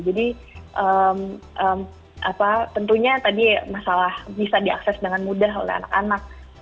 jadi tentunya tadi masalah bisa diakses dengan mudah oleh anak anak